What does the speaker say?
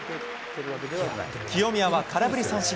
清宮は空振り三振。